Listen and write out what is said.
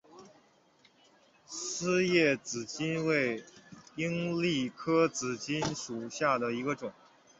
丝叶紫堇为罂粟科紫堇属下的一个种。